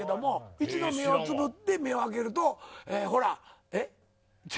一度目をつぶって目を開けると。